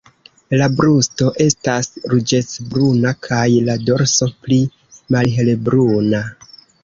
La brusto estas ruĝecbruna kaj la dorso pli malhelbruna.